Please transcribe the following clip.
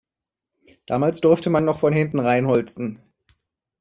Damals durfte man noch von hinten reinholzen.